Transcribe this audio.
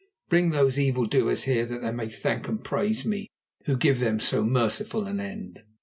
Bring those evildoers here that they may thank and praise me, who give them so merciful an end."